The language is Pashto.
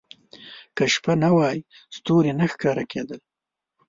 • که شپه نه وای، ستوري نه ښکاره کېدل.